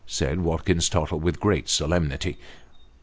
" said Watkins Tottle, with great solemnity.